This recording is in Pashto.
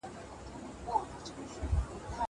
دا قلمان له هغو ښايسته دي!!